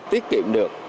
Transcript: để tiết kiệm được